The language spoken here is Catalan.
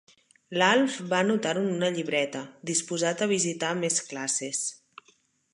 L'Alf va anotar-ho en una llibreta, disposat a visitar més classes.